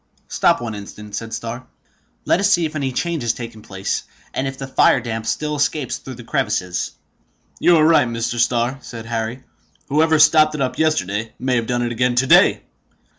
"Stop one instant," said Starr. "Let us see if any change has taken place, and if the fire damp still escapes through the crevices." "You are right, Mr. Starr," said Harry. "Whoever stopped it up yesterday may have done it again to day!"